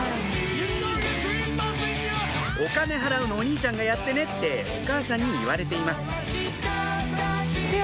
お金払うのお兄ちゃんがやってね！ってお母さんに言われています